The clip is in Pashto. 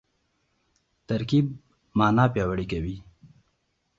ترکیب مانا پیاوړې کوي.